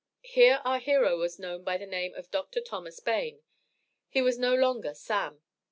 Here our hero was known by the name of Dr. Thomas Bayne he was no longer "Sam."